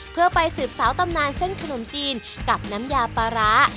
เพื่อไปสืบสาวตำนานเส้นขนมจีนกับน้ำยาปลาร้า